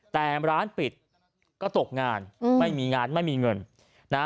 แต่ร้านปิดก็ตกงานไม่มีงานไม่มีเงินนะฮะ